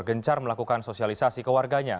gencar melakukan sosialisasi ke warganya